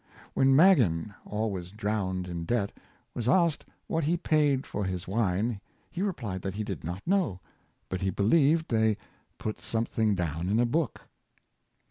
When Maginn, always drowned in debt, was asked what he paid for his wine, he replied that he did not know, but he believed they " put some thing down in a book."